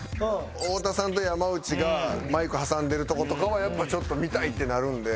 太田さんと山内がマイク挟んでるとことかはやっぱちょっと見たいってなるんで。